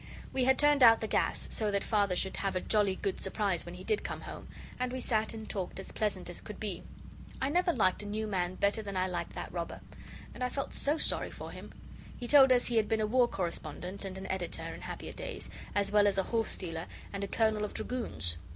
We had turned out the gas, so that Father should have a jolly good surprise when he did come home, and we sat and talked as pleasant as could be. I never liked a new man better than I liked that robber. And I felt so sorry for him. He told us he had been a war correspondent and an editor, in happier days, as well as a horse stealer and a colonel of dragoons.